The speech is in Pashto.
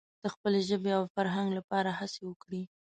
د خپلې ژبې او فرهنګ لپاره هڅې وکړي.